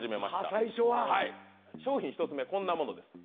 最初ははい商品１つ目こんなものです